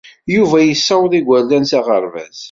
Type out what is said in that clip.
Yuba yessawaḍ igerdan s aɣerbaz.